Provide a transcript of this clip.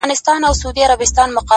چي زما په لورې بيا د دې نجلۍ قدم راغی!